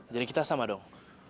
jadi kita sama dong